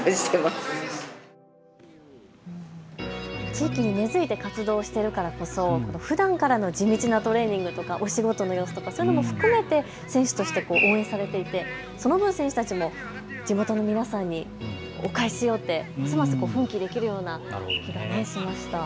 地域に根づいて活動しているからこそ、ふだんからの地道なトレーニングとかお仕事の様子とかも含めて選手として応援されていてその分選手たちも地元の皆さんにお返ししようってますます奮起できるような、気がしました。